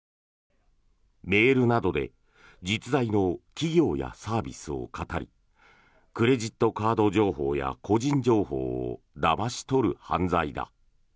メールなどで実在の企業やサービスをかたりクレジットカード情報や個人情報をだまし取る犯罪だ。